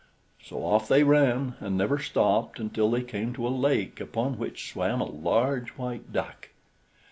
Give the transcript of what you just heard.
So off they ran, and never stopped until they came to a lake, upon which swam a large white duck.